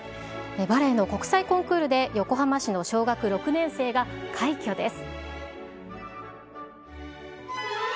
バレエの国際コンクールで、横浜市の小学６年生が快挙です。